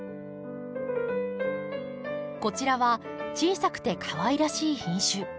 こちらは小さくてかわいらしい品種。